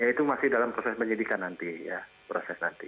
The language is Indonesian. itu masih dalam proses penyelidikan nanti ya